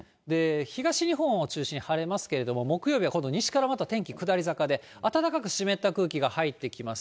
東日本を中心に晴れますけれども、木曜日は今度は西からまた天気が下り坂で、暖かく湿った空気が入ってきます。